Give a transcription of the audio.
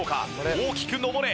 大きく昇れ！